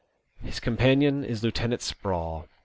His companion is Lieutenant Sprawl.